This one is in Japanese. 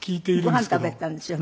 ごはん食べてたんですよ